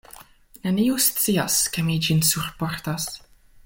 Neniu scias ke mi ĝin surportas.